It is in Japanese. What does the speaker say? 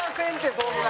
そんなん。